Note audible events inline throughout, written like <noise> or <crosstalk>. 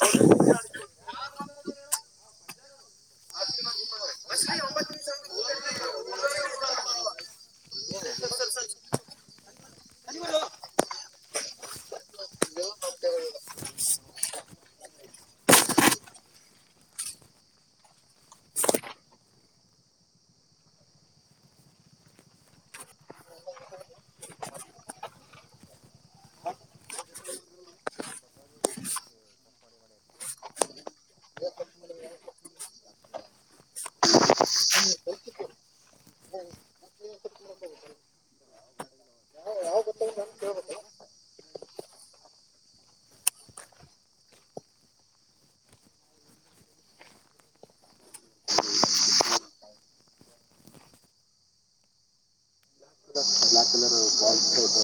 ಹ ಅದು ಮ ಏನ್ ಸ ಮಾಡಿಲ್ಲ ಯಾವ್ ಸ ಮಾಡ ಗೊತ್ತ ಯಾವ ಗೊತ್ತ ನ ಕೇಳ್ಬೇಕಲ್ಲ ಬ್ಲಾಕ್ ಕಲರ್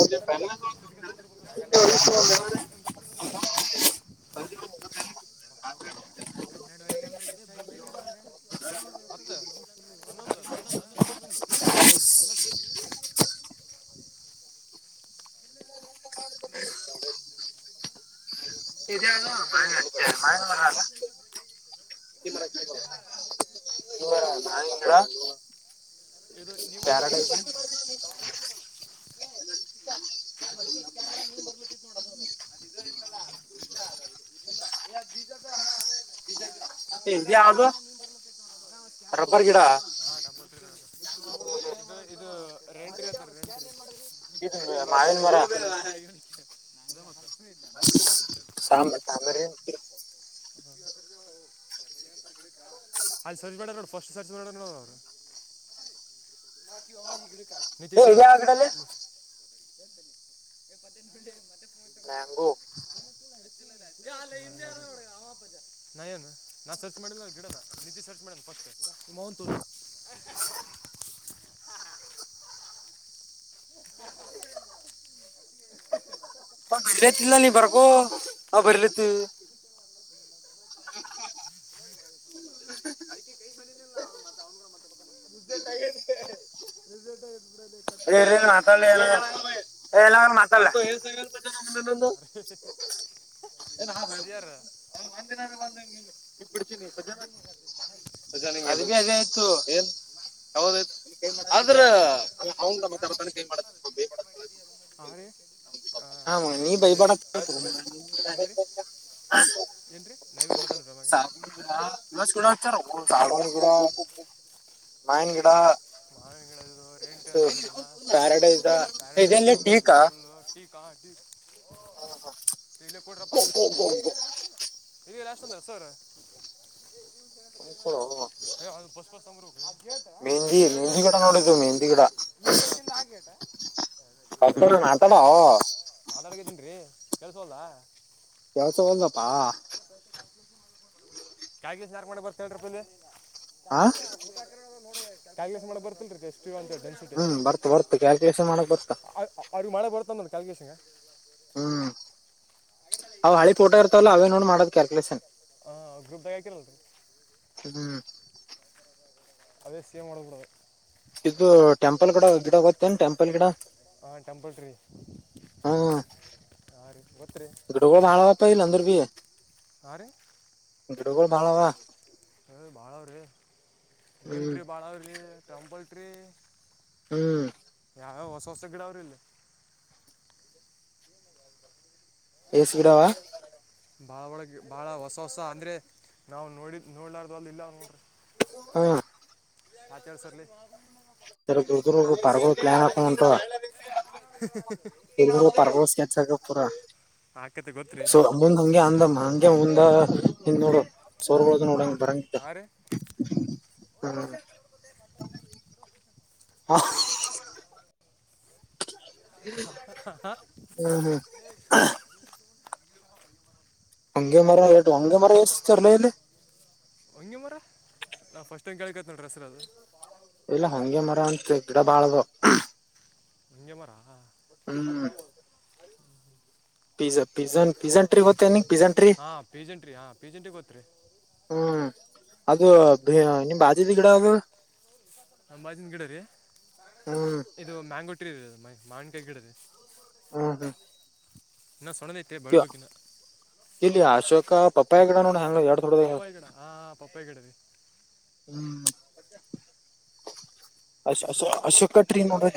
ಬ ಇತಲ್ಲಕ್ಕ ದ ಜಾಗಲ್ಲಾ ದ ಹನ್ನೆರಡವರೆಗೆ ಅಂದ್ರೆ ಇ ಇ ಹತ್ತು ಒೊಂದುೊಂದು ಹೊಂದು ಹೊಂದು ಗಿಡ ಇದು ನಿಮಗೆ ಒಂತಾರೆ ಪ್ಯಾರಡೈಸ್ ನೆಮಪಿ ಜ ಹ ಮಾಡ ನೀ್ ಬರ್ಲ <inaudible> ಕ್ಯಾನ್ ರಬ್ಬರ್ ಗಿಡ ಕುೊಂಡಿ ಇತ ಇ ರೆಂಟ್ತ್ರ ಇದು ಹ ಬಾಯ ಮಾವಿನ ಮರ ಬಿುಡಿ ನ ಬ ಬಿ ಸಾ ಸಾಾಮ ಸರ್ಚ್ ಮಾಡ ನೋ ಫಸ್ಟ್ ಸರ್ಚ್ ಮಾಡ ನೋಡ ಮ ತ ಸ ಇದು ಯಾವ ಗಿಡಲೆ ಮ್ಯಾಂಗೋ ನಾ ಏನು ನಾನ್ ಸರ್ಚ್ ಮಾಡಿಲ್ಲ ಗಿಡನ ನಿಜ ಸರ್ಚ್ ಮಾಡ ಫಸ್ ನಿಮ್ಮ ಹ ಬರ್ಲತಿಲ್ಲ ನೀ ಬರ್ಕೋ ಆ ಬರ್ಲತಿ ಬ್ರ ಮಾತಾಡ್ಲಿ ಚಟ್ಟರ ನದು ಎಲ್ಲ ಹಾನ್ ಸಿ ಆರ್ ಹೇಳ್ತ ಜಜೌ್್ರ ಮತ ಹಾಂ ರೀ <unintelligible> ಹಾ ನೀ ಅಲ್ಲಿ ಭೈಯಬಾಡ ರೀ ಎಪ್ <unintelligible> ಏನ್ರಿ ನವರು ಮಾತ ಮಸ್ತ್ ಗಿಡ ಹಚ್ಚಾರೋಪ ಸಾಗವಾನಿ ಗಿಡಾ, ಮಾವಿನಕಾಯಿ ಗಿಡಾ, ಮಾವಿನ ಗಿಡ ಇದು ಪ್ಯಾರಾಡೈಸ್, <unintelligible> ಲ್ಲ ಕೊಡ <unintelligible> <inaudible> ಮೆಂದಿ ಮೆಹಂದಿ ಗಿಡಾ ನೋಡು ಮೆಹಂದಿ ಗಿಡಾ ಈ <unintelligible> <unintelligible> ಮಾತಾಡೊ ಮಾತಾಡಕತ್ತೇನ್ರಿ ಕೇಳಸ್ವಲತ್ತಾ. ಕೆಳಸವ ಲ್ಲದಪ್ಪಾ ಕಾಗಿ ಸಾರ್ ಮಾಡಕ್ ಬರ್ತೈತೆ <unintelligible> <unintelligible> ಹಾ ಕಾಗ್ಲೆೇಸ್ ಮಾಡ ಬರ್ತಲ್ರಿ ಎಷ್ಟ <unintelligible> ಹ್ಮ್ ಬರ್ತ ಬರ್ತ ಕ್ಯಾಲ್ಕುಲೇಷನ್ ಮಾಡಕ್ ಬರ್ತ ಮತ್ತಂದ ಕಲ್ಗೆೇಶಂಗ ಹ್ಮ್ ಅವ್ ಹಳಿ ಫೋಟೋ ಇರ್ತವಲ್ಲ ಅವೇ ನೋಡ್ ಮಾಡೋದ್ ಕ್ಯಾಲ್ಕುಲೇಷನ್ ಹಾ ಗ್ರೂಪ್ ಗ ಹಾಕಿರಲ್ರಿ ಹ್ಮ್ ಅದೇ ಸೆಮ್ ಮಾಡಬಿಡದು ಇದು ಟೆಂಪಲ್ ಗಿಡ ಗಿಡ ಗೋಗ್ತನ್ ಟೆಂಪಲ್ ಗಿಡಾ ಹಾ ಟೆಂಪಲ್ ಟ್ರೀ ಹಾಂ ರೀ ಗೊತ್ತು ರೀ ಗಿಡಗೋಳ ಬಾಳ ಅದಾವತ್ ಅಂದ್ರು ಬಿ ಹಾಂ ರೀ ಗಿಡಗಳು ಬಾಳ ಆವಾ ಬಾಳ ಅವರಿ ನಿಮ್ ಹ್ಮ್ ಟ್ರಿ ಬಾಳ ಟಂಪಲ್ ಟ್ರಿ ಹ್ಮ್ ಹ ಹೊಸ ಹೊಸ ಗಿಡ ಅವರ ಅಲ್ಲಿ ಎ ಸಿ ಗವ ಬಾಳ ಒಳಗೆ ಬಹಳ ಹೊಸ ಹೊಸ ಅಂದ್ರೆ ನಾವು ನೋಡಿ ನೋಡ್ಲಾರದ ಅಲ್ಲಿ ಇಲ್ಲ ನೋಡ್ರಿ ಹಾ <unintelligible> ಸರ ದರು ದೂರ ಪಾರ್ಗ ಪ್ಲಾನ್ ಆಕಂಟ ಎಲ್ಲಿ ಪಾರ್ಗಗೋಳ ಪೂರಾ ಆಕತೆ ಗೊತ್ತ್ರಿ ಸೊ ಮುಂದ್ ಹಗೆ ಅಂದಮ್ಮ ಹಗೆ ಹಂಗ್ ನೋಡು ಸೋರ್ ನೋಡಂಗ ಬರ ಹಾಂ ರೀ ಹ್ಮ ಹ ಹ್ಮ ಹ್ಮ್ ಹಂಗಗೆ ಮರ ಹಂಗಗೆ ಮರ ಎಷ್ಟ ಚರ್ಲ ಇಲ್ಲ ಹಂಗಿ ಮರ ನಾ್ ಫಸ್ಟ್ ಟೈಮ್ ಕೇಳ್ಕ ಇಲ್ಲ ಹಂಗೆ ಮರ ಅನ್ಿಸಬೇಕು ಎಡ ಬಾಳವ ನಿಂಜ ಮರಾ ಹ್ಮ್ ಪಿಜ ಪಿ್ಜ ಪಿ್ಜ ಟ್ರಿ್ತ ನೀ ಹಾ ಪಜೆಂಟ್ರಿ ಹಾ ಪಿಜೆಂಟಿ ಗೊತ್ತ ತ್ರೇ ಹ್ಮ್ ಅದು ನಿಮ್ ಬಾದಿದ ಗಿಡ ಅದು ಅಂಬಾಜಿನ ಗಿಡ ರೀ ಹ್ಮ್ ಇದು ಮ್ಯಾಂಗೋ ಟಿ ಇದು ಮ್ಮ ಮಾಣಕಾಯಿ ಗಿಡದೆ ಹ್ಮ್ ಹ್ಮ್ ಇನ್ನ ಸೊಣ್ಣದೈತೆ ಬೆಳ್ಬೇಕಕಿನ ಾ ಪಪ್ಪಪ ಎಗಡಾನ ಎರಡು ೊಡೋದದು ಪಪ್ಪೇಗಡರಿ ಹ್ಮ ಅಶೋಕಟ್ರನ್ ಮ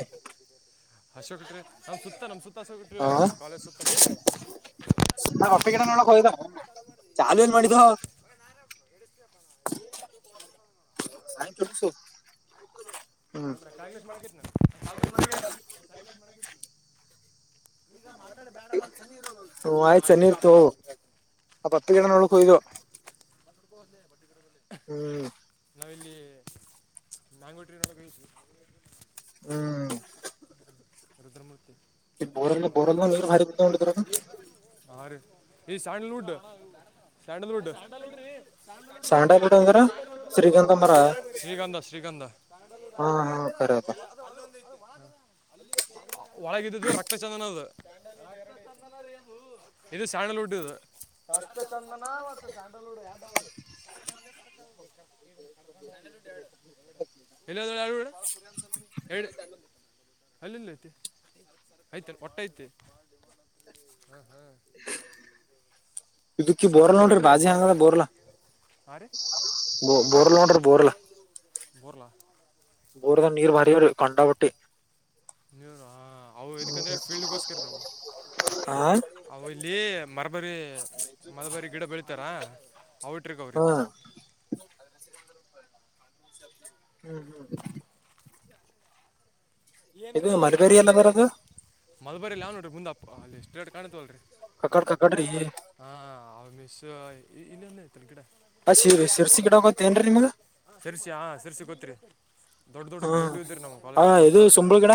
ಹಶೋಕಿದ್ರೆ ನಮ್ ಸುತ್ತ ನಮ್ ಸುತ್ತ ಬಿಟವೀ ಹ ನಮ್ ಕಾಲೇಜ್ ಸುತ್ತಂಗುತ್ತ ಚಾಲೂ ಏನ್ ಮಾಡಿದ್ದ ಎ ನೀನು ತತ್ತುಡ ಸಾಯಂ ಹ್ಮ್ ಕಲೆ ಮಾಡಕತ್ನ ಮಾಡಕನ ಈಗ ಮಾತಾಡ ಬೇಡಮ್ಮಲ್ಲಿ ಸನಿ ಇರು ನ ಹ್ಮ್ ಆಯ್ತು ಸರ್ ನೀರ್ ತಗೋ ಆ ಪಪ್ಪಿ ಗಿಡ ನೋಡಕ್ ಹೋಗಿದ್ವು ಹದ ಹ್ಮ್ ನಾವಿಲ್ಲಿ ನಂಗಟ್ರ ಹ್ಮ್ ರುದ್ರಮೂರ್ತಿ ಬೋರಲ್ ಬೋರ ಭಾರಿರ ಹ ರ ಈ ಸೈಂಡಲ್ುಡ್ ಸ್ಯಾಂಡಲ್ವುಡ್ ಸ್ಯಾಂಡಲ್ ವುಡ್ ಅಂದ್ರ ಶ್ರೀಗಂಧ ಮರ ಶ್ರೀಗಂಧ ಶ್ರೀಗಂಧ ಹಾ ಹಾ ಕರೆ ಅದ ಒಳಗಿದ್ದಿದ್ದು ರಕ್ತ ಚಂದನದು ಇದು ಸ್ಯಾಂಡಲ್ವುಡ್ ಇದು ಅಟ್ಟ ಚಂದ ನ ಆತ ಸಲು ಆಡವರಿ ಎಲ್ಲಿ ಎರಡು ಅಲ್ಲಿಲ್ಲ ಐತಿ ಐತ ಹೊಟ್ಟ ಐತಿ ಹಾ ಹಾ ಇದಕ್ಕ ಬೋರ್ಲ್ ನೋಡ್ರಿ ಬಾಜಿ ಹಂಗದ ಬೋರ್ಲ ಹಾಂ ರೀ ಬ ಬೋರ್ಲ್ ನೋಡ್ರಿ ಬೋರ್ಲ ಬರ್ಲ ಬೂರದ ನೀರು ಭರರ ಕಂಡಾವಟ್ಟೆ ನೀವರು ಹಾ ಅವು ಇದದಕಂದ್ರೆ ಫೀಲ್ಡ್ಗೋಸ್ಕರಾವು ಆ ಅವು ಇಲ್ಲಿ ಮರಬರಿ ಮರಬರಿ ಗಿಡ ಬೆಳತಾರಾ ಅವಟ್ರಕ ಅವ್ರೀ ಹಾ ಹ್ಮ್ ಹ್ಮ್ ಇದು ಏನ್ರೀ ಏನ್ ಮಲ್ಬೇರಿ ಎಲ್ಲ ನೋಡ್ತಿರಿ ಅದರ ಅದು ಮದಬರಿಲ್ಲಾವ ನೋಡ್ರಿ ಮುಂದಪ್ಪ ಅ ಎಷ್ಟ ಎರಡ್ ಕಾಣ್ತವಲ್ರರಿ ಕಕಡ್ ಕಕಡ್ರಿ ಹಾ ಹ ನಿಶ್ಯ ಈ ಇಲ್ಲನ್ನ ಗಿಡ ಆ ಶಿರ್ ಇ ಶಿರ್ಸಿ ಗಿಡ ಗೊತ್ತೇನ್ರಿ ನಿಮಗ ಶರ್ಸಿ ಹ ಸರ್ಸಿ ಕೊತ್ರಿ ದೊಡ್ಡ ದೊಡ್ಡ ದೊಡ್ಡ ಹ್ಮ್ ಇದರಿ ನಮ್ ಹಾ ಕಾಲೇಜ್ ಫಸ್ಟ್ ಇದು ಟಟರ್ ನೋಡ ಸುಂಬಳ ಗಿಡ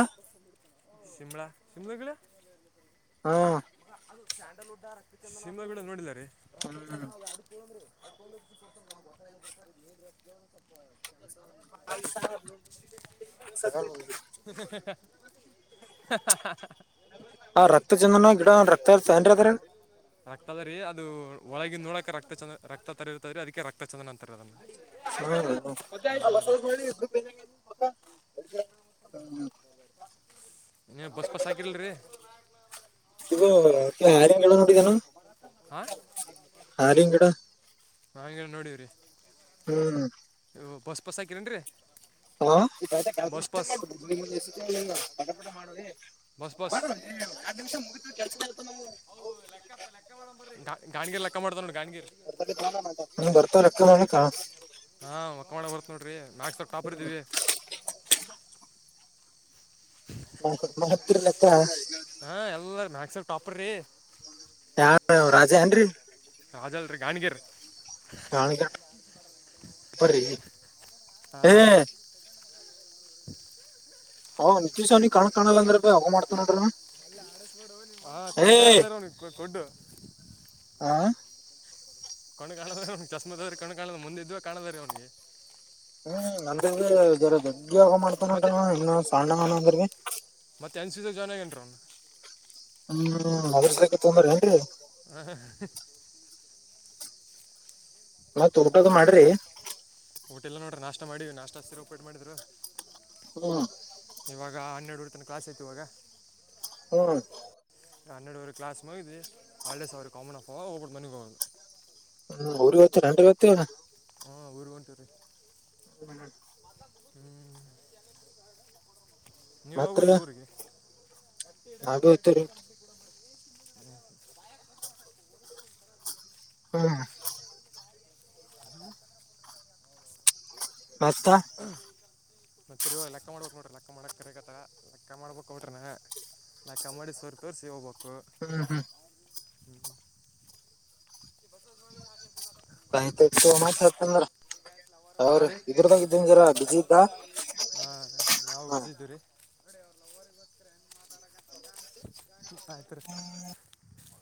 ಶಿಮಳಾ ಶಿಮ ಕಲ್ಲ <inaudible> ಹ್ಮ್ ಮ ಅದು ಸ್ಯಾಂಡಲ್ುಡ್ ಸಿಂಹ ಬೀಡ ನೋಡಿದಿದ್ದಾರೆ ರಕ್ತ ಹ್ಮ್ ಚಂದನ ಅವ ಅಡ್ಕಳಂದ್ರಿ ಅಕ ನಮ್ ಹೊಸ ಸ್ಪ <inaudible> ಆ ರಕ್ತ ಚಂದನ ರಕ್ತನ್ದ್ರ ಒಳಗ ನೋಡಕ ರಕ್ತಂದ ರಕ್ತ ತ ಇರುತ ಅದಕ್ಕೆಕ್ತಂದ ತ್ತ ಹಾ ಯ ನೀ ಬಸ್ಪಾ ಸೈಕಲ್ ರ ಯಾರಂಗ ಹೇಳೋ ನೋಡಿದಾನನು ಹ ರಂಗಿಡ <unintelligible> <inaudible> <inaudible> <unintelligible> ಬಸ್ ಬಸ್ <inaudible> <inaudible> ಬಸ್ ಬಸ್ <inaudible> <inaudible> ಹಂಗ್ ಬರ್ತಾವ <inaudible> <unintelligible> ಹಾಂ ಲೆಕ್ಕ ಮಾಡೋ ಬರ್ತ ನೋಡ್ರಿ <unintelligible> <unintelligible> ಹಾಂ ಎಲ್ಲರೂ <inaudible> <inaudible> ಯಾರ ರಾಜಾ ಏನ್ರೀ. <inaudible> <inaudible> <inaudible> ಏ <inaudible> <inaudible> ನೋಡ್ರಿ ಏ ಹಾ <inaudible> ಕಣ್ ಕಾಣದ್ರೆ ಅವ್ ಚಸ್ಮತ್ದವ್ರೀ ಕಣಲಾ ಕಾಣದ ಮುಂದೆ ಇದ್ವ ಕಾಣೋದ್ರೀ ಅವ್ನಿಗೆ. <inaudible> ಮತ್ತೆ ಮತ್ತೆ <inaudible> <unintelligible> ಹ್ಮ್ ಅವ್ರಕ್ಕೆ ತೊಂದ್ರ ಏನ್ರಿ. <inaudible> ನಾವ ತುರ್ಟದ ಮಾಡ್ರಿ. <unintelligible> <inaudible> ಇವಾಗ ಹನ್ನೆರಡುುವರು ತನ ಕ್ಲಾಸ್ ಐತಿ ಇವಾಗ. <inaudible> ಹನ್ನೆರಡು ಕ್ಲಾಸ್ ಇ ಹಾಲಿಡೇಸ್ ಅವರು ಕಾಮನ್ ಆಫ ಓಪ ಬಿ. <inaudible> <unintelligible> <unintelligible> <unintelligible> ನೀವ ಮತ್ರಿ ಯಾವೋತ್ರರಿ ಊರಿಗೆ. ನಾವೇ ಹೋಗ್ತೀವ್ರಿ <unintelligible> <inaudible> ಮ ಬತ ಮತ್ತ ತಿ ಲೆಕ್ಕ ಮಾಡ್ಬೇಕಕ್ ನೋಡ್ರಿ ಲೆಕ್ಕ ಮಾಡಕ್ ಕರಗತ್ತ ಲೆಕ್ಕ ಮಾಡ್ಬೇಕಕ್ ಹೊಟ್ರಿ ಲೆಕ್ಕ ಮಾಡಿ ಸವರ್ ತೋರ್ಸಿ ಹೋಗ್ಬೇಕು ಹ್ಮ್ ಹ್ಮ್ <inaudible> ಆಯ್ತಯ್ತ್ಯೋ ಮಾತಾಡ್ತಂದ್ರ ಅವ್ರ ಹಾಂ ರೀ ಇದ್ರದಾಗ ಇದ್ದನ್ರ ಬಿಜಿ ಇದ್ದ ಹಾ ಲ್ಲೋಸ್ಕ ಹೆಂಗ ಮಾತಾಡತ್ <unintelligible>